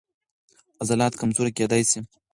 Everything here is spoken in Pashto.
عضلات کمزوري کېدای شي.